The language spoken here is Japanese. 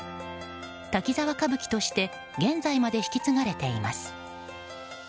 「滝沢歌舞伎」として現在まで引き継がれています。